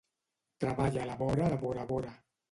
Treballa a la vora de Bora Bora.